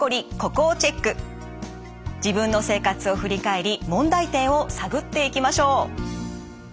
自分の生活を振り返り問題点を探っていきましょう。